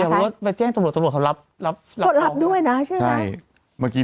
แต่ว่าไปแจ้งตำรวจตำรวจเขารับรับเขารับด้วยนะใช่ไหมใช่เมื่อกี้